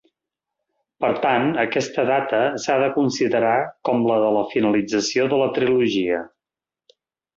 Per tant, aquesta data s'ha de considerar com la de la finalització de la trilogia.